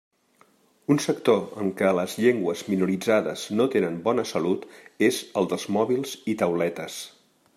Un sector en què les llengües minoritzades no tenen bona salut és el dels mòbils i tauletes.